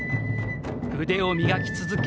腕を磨き続け